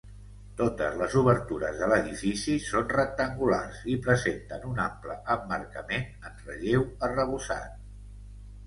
Totes les obertures de l'edifici són rectangulars i presenten un ample emmarcament en relleu arrebossat.